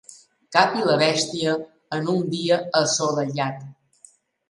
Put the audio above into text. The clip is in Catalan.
Capi la bèstia en un dia assolellat.